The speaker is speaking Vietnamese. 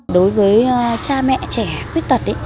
đối với cha mẹ trẻ khuyết tật